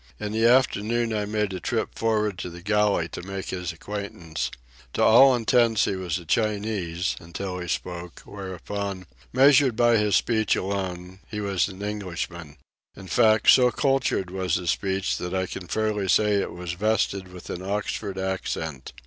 In the afternoon I made a trip for'ard to the galley to make his acquaintance. To all intents he was a Chinese, until he spoke, whereupon, measured by speech alone, he was an Englishman. In fact, so cultured was his speech that I can fairly say it was vested with an Oxford accent.